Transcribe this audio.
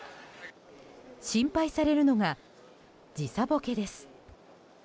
心配されるのが時差ボケです。